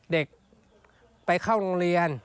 เด็กไปเข้าโรงเรียน